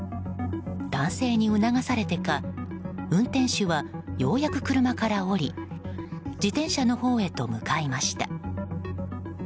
男性に促されてか、運転手はようやく車から降り自転車のほうへと向かいました。